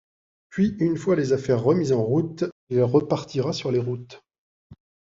Puis, une fois les affaires remises en route, il repartira sur les routes.